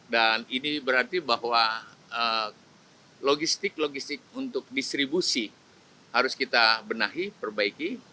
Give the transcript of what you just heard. dan ini berarti bahwa logistik logistik untuk distribusi harus kita benahi perbaiki